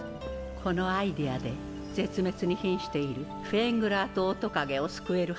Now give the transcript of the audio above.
このアイディアで絶滅に瀕しているフェーングラートオオトカゲを救えるはずよ。